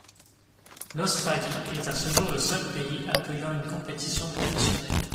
L'Australie est à ce jour le seul pays accueillant une compétition professionnelle.